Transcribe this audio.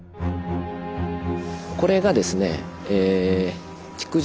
これがですねああ